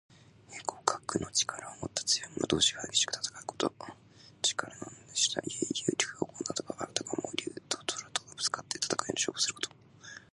互角の力をもった強い者同士が激しく戦うこと。力の伯仲した英雄・強豪などが、あたかも竜ととらとがぶつかって戦うように勝負すること。